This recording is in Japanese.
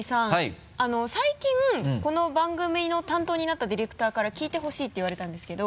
最近この番組の担当になったディレクターから聞いてほしいって言われたんですけど。